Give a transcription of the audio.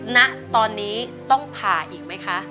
ณตอนนี้ต้องผ่าอีกไหมคะ